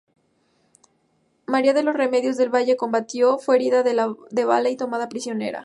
María de los Remedios del Valle combatió, fue herida de bala y tomada prisionera.